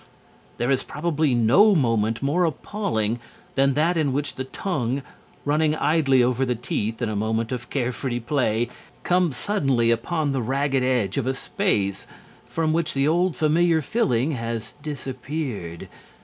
There is probably no moment more appalling than that in which the tongue, running idly over the teeth in a moment of care free play, comes suddenly upon the ragged edge of a space from which the old familiar filling has disappeared.